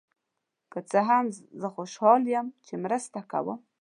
که څه هم، زه خوشحال یم چې مرسته کوم.